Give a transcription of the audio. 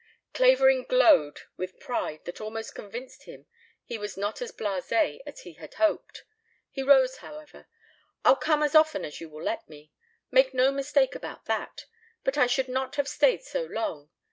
Clavering glowed with a pride that almost convinced him he was not as blasé as he had hoped. He rose, however. "I'll come as often as you will let me. Make no mistake about that. But I should not have stayed so long.